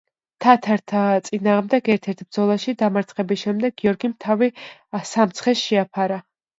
თათართა წინააღმდეგ ერთ-ერთ ბრძოლაში დამარცხების შემდეგ გიორგიმ თავი სამცხეს შეაფარა.